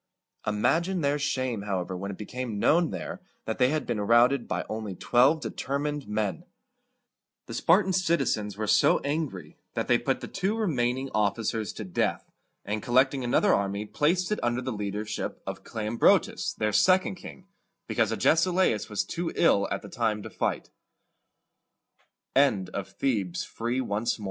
Imagine their shame, however, when it became known there that they had been routed by only twelve determined men! The Spartan citizens were so angry that they put the two remaining officers to death, and, collecting another army, placed it under the leadership of Cle om´bro tus, their second king, because Agesilaus